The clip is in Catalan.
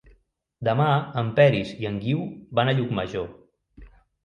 Demà en Peris i en Guiu van a Llucmajor.